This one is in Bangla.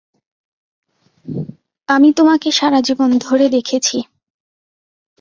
আমি তোমাকে সারাজীবন ধরে দেখেছি।